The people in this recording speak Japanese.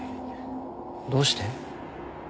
どうして？